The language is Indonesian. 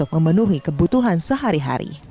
menuhi kebutuhan sehari hari